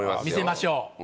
見せましょう。